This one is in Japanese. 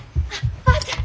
おばあちゃん！